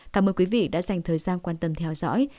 cảm ơn quý vị đã dành thời gian quan tâm theo dõi